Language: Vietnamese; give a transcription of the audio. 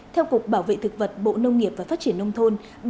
theo cục bảo vệ thực vật bộ nông nghiệp và phát triển nông thôn